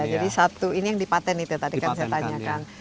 jadi satu ini yang dipaten itu tadi kan saya tanyakan